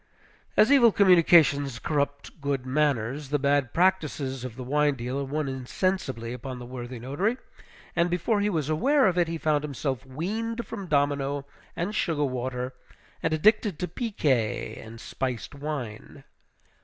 As evil communications corrupt good manners, the bad practices of the wine dealer won insensibly upon the worthy notary; and before he was aware of it, he found himself weaned from domino and sugar water, and addicted to piquet and spiced wine.